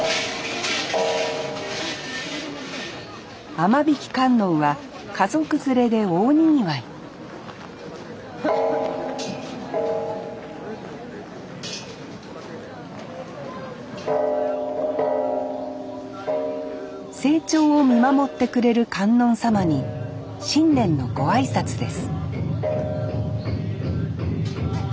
雨引観音は家族連れで大にぎわい成長を見守ってくれる観音様に新年のご挨拶です